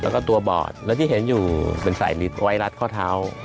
แล้วก็ตัวบอดแล้วที่เห็นอยู่เป็นสายลิตไว้รัดข้อเท้า